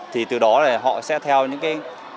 thì từ đó họ sẽ theo những cái